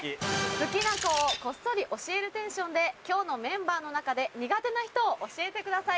「好きな子をこっそり教えるテンションで今日のメンバーの中で苦手な人を教えてください」。